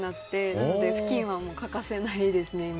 なのでふきんは欠かせないですね。